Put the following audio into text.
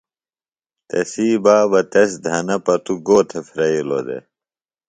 تسی بابہ تس دھنہ پتُوۡ گو تھےۡ پھرئِلوۡ دےۡ؟